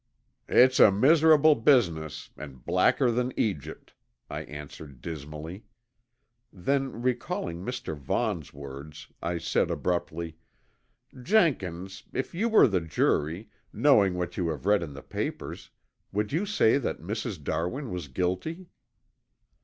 "It's a miserable business and blacker than Egypt," I answered dismally. Then recalling Mr. Vaughn's words I said abruptly, "Jenkins, if you were the jury, knowing what you have read in the papers, would you say that Mrs. Darwin was guilty?"